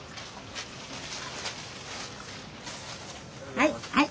はいはい。